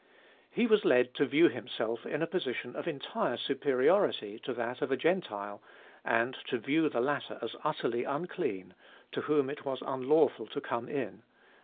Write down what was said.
He was led to view himself in a position of entire superiority to that of a Gentile, and to view the latter as utterly unclean, to whom it was unlawful to come in.